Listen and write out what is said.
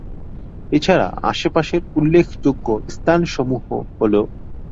এছাড়া আশেপাশের উল্লেখযোগ্য স্থানসমূহ হলো-